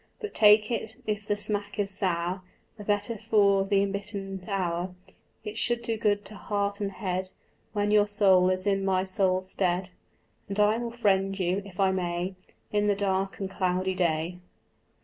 But take it: if the smack is sour, The better for the embittered hour; It should do good to heart and head When your soul is in my soul's stead; And I will friend you, if I may, In the dark and cloudy day.